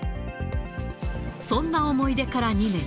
そんな思い出から２年。